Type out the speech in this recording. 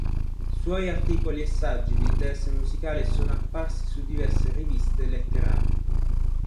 Suoi articoli e saggi di interesse musicale sono apparsi su diverse riviste letterarie.